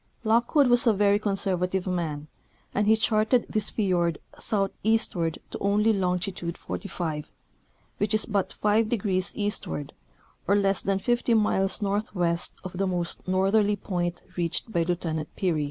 Lock wood was a very conservative man, and he charted this fiord southeastward to only longitude 45, which is but five degrees eastward, or less than fifty miles northwest of the most northerly point reached by Lieutenant Peary.